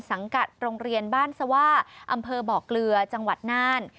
สังกัดโรงเรียนบ้านสว่าอำเภอบ่อเกลือจังหวัดน่าน